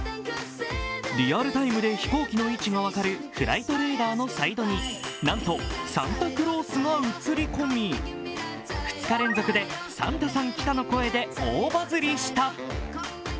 リアルタイムで飛行機の位置が分かるフライトレーダーのサイトになんとサンタクロースが映り込み、２日連続でサンタさん来たの声で大バズりした。